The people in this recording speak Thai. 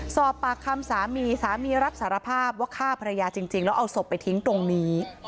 สอบปากคำสามีสามีรับสารภาพว่าฆ่าภรรยาจริงแล้วเอาศพไปทิ้งตรงนี้